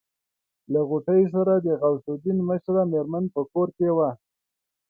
له غوټۍ سره د غوث الدين مشره مېرمن په کور کې وه.